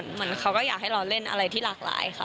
เหมือนเขาก็อยากให้เราเล่นอะไรที่หลากหลายค่ะ